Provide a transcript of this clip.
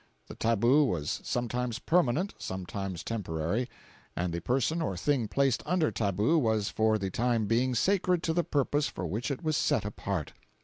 The tabu was sometimes permanent, sometimes temporary; and the person or thing placed under tabu was for the time being sacred to the purpose for which it was set apart.